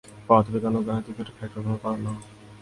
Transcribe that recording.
পদার্থবিজ্ঞান ও গাণিতিক ক্ষেত্রে ভেক্টরের ভূমিকা অনন্য।